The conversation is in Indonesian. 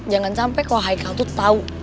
jangan sampe kalo haikal tuh tau